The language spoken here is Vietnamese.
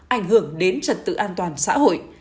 ảnh hưởng đến trật tự an toàn xã hội